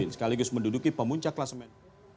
sekaligus menduduki pemuncak klasemen